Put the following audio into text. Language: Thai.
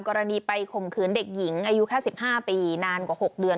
กรณีไปข่มขืนเด็กหญิงอายุแค่๑๕ปีนานกว่า๖เดือน